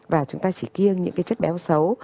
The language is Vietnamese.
và chúng ta chỉ kiêng những cái chất béo xấu